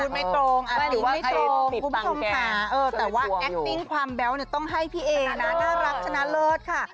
พูดไม่ตรงอาศิลป์ไม่ตรงคุ้มทรงขาแต่ว่าแอคติ้งความแบ๊วต้องให้พี่เอนะน่ารักชนะเลิศค่ะ